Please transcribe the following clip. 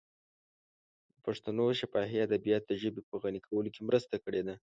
د پښتنو شفاهي ادبیاتو د ژبې په غني کولو کې مرسته کړې ده.